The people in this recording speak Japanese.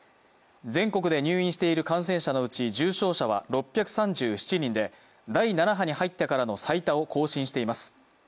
全国で入院している感染者のうち重症者は６３７人で第７波に入ってからの最多を更新しています。